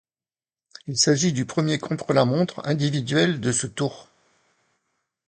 Il s'agit du premier contre-la-montre individuel de ce Tour.